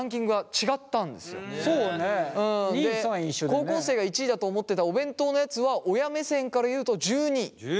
高校生が１位だと思ってたお弁当のやつは親目線から言うと１２位。